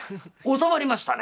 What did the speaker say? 収まりましたね」。